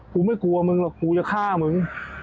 กูไม่กลัวมึงหรอกกูจะฆ่ามึง